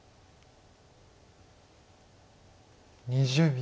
２０秒。